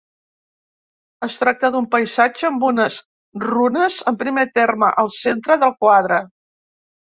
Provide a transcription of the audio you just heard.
Es tracta d'un paisatge amb unes runes en primer terme, al centre del quadre.